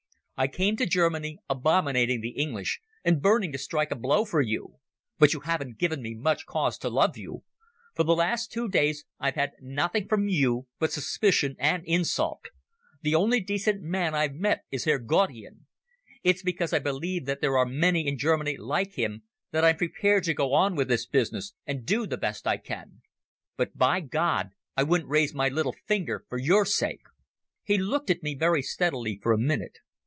I came to Germany abominating the English and burning to strike a blow for you. But you haven't given me much cause to love you. For the last two days I've had nothing from you but suspicion and insult. The only decent man I've met is Herr Gaudian. It's because I believe that there are many in Germany like him that I'm prepared to go on with this business and do the best I can. But, by God, I wouldn't raise my little finger for your sake." He looked at me very steadily for a minute.